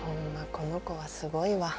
この子はすごいわ。